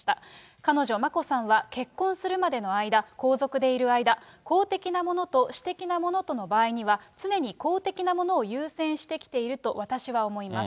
彼女、眞子さんは、結婚するまでの間、皇族でいる間、公的なものと私的なものとの場合には、常に公的なものを優先してきていると私は思います。